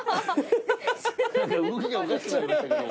何か動きがおかしくなりましたけど。